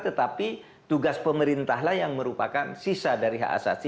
tetapi tugas pemerintahlah yang merupakan sisa dari hak asasi